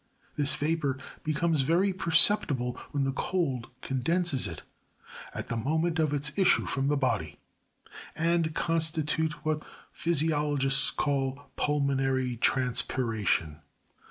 This vapor becomes very perceptible, when the cold condenses it, at the moment of its issue from the body, and con stitutes what physiologists call pulmonary transpiration.